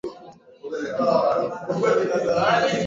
jinsi ya kutunza shamba la viazi lishe